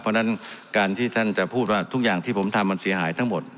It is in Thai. เพราะฉะนั้นการที่ท่านจะพูดว่าทุกอย่างที่ผมทำมันเสียหายทั้งหมด